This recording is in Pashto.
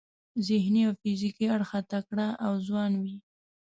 ذهني او فزیکي اړخه تکړه او ځوان وي.